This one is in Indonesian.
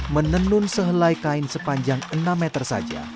menenun sehelai kain sepanjang enam meter saja